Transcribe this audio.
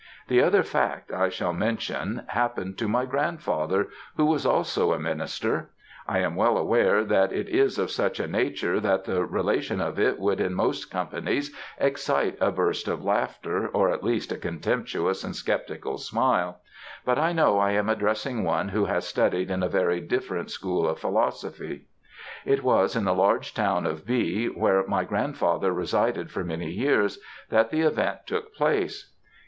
The other fact I shall mention, happened to my grandfather who was also a minister. I am well aware that it is of such a nature that the relation of it would in most companies excite a burst of laughter or at least a contemptuous and sceptical smile, but I know I am addressing one who has studied in a very different school of philosophy. It was in the large town of B m where my grandfather resided for many years, that the event took place.